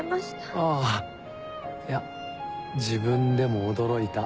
あぁいや自分でも驚いた。